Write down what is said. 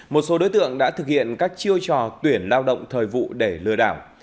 một số đối tượng đã thực hiện các chiêu trò tuyển lao động thời vụ để lừa đảo